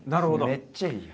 めっちゃいいやん。